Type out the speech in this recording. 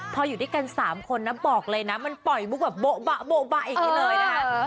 พออยู่ด้วยกัน๓คนนะบอกเลยนะมันปล่อยมุกแบบโบ๊ะโบ๊ะบะอย่างนี้เลยนะคะ